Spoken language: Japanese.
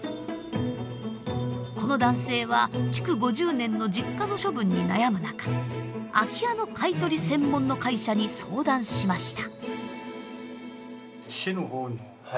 この男性は築５０年の実家の処分に悩む中空き家の買い取り専門の会社に相談しました。